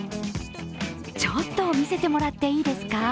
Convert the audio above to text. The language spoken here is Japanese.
ちょっと見せてもらっていいですか？